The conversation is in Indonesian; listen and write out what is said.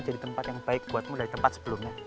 jadi tempat yang baik buatmu dari tempat sebelumnya